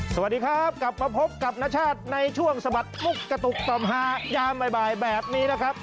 สวัสดีครับกลับมาพบกับนชาติในช่วงสะบัดมุกกระตุกต่อมหายามบ่ายแบบนี้นะครับ